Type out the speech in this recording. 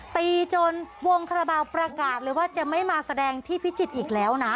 ตีจนวงคาราบาลประกาศเลยว่าจะไม่มาแสดงที่พิจิตรอีกแล้วนะ